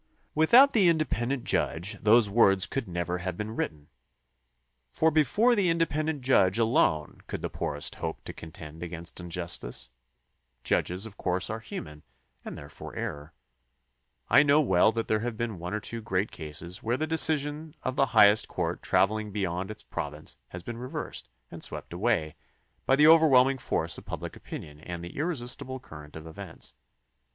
Without the independent judge those words could never have been written, for before the independent judge alone could the poorest hope to contend against injustice. Judges, of course, are human and therefore err. I know well that there have been one or two great cases where the decision of the highest court travelling beyond its province has been reversed and swept away by the overwhelming force of public opinion and the irresistible current of events.